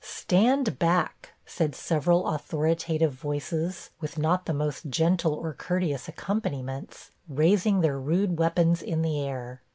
'Stand back,' said several authoritative voices, with not the most gentle or courteous accompaniments, raising their rude weapons in the air.